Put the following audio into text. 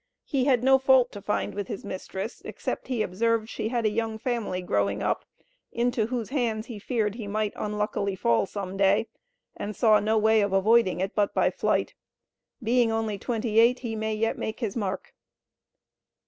He had no fault to find with his mistress, except he observed she had a young family growing up, into whose hands he feared he might unluckily fall some day, and saw no way of avoiding it but by flight. Being only twenty eight, he may yet make his mark.